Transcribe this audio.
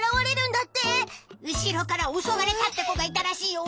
うしろからおそわれたってこがいたらしいよ。